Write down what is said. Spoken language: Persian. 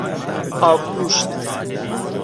آبگوشت